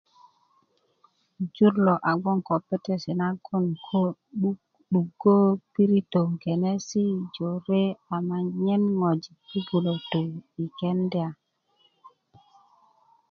jur lo a bgoŋ ko petesi nagon ko 'du 'dugo piritön kenesi jore ama nyen ŋwajik bubulö tu i kenda